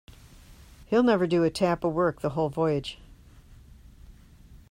He'll never do a tap of work the whole Voyage.